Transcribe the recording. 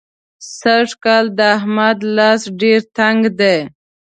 سږکال د احمد لاس ډېر تنګ دی.